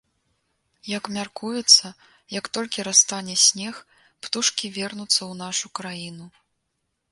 Як мяркуецца, як толькі растане снег, птушкі вернуцца ў нашу краіну.